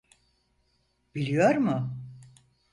Biliyor mu?